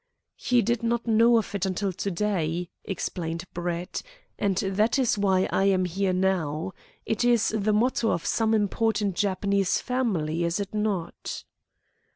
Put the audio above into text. "He did not know of it until to day," explained Brett, "and that is why I am here now. It is the motto of some important Japanese family, is it not?"